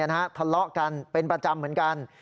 ทะเลาะกันเป็นประจำเหมือนกัน